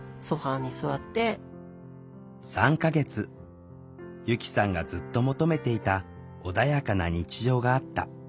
由希さんがずっと求めていた穏やかな日常があった。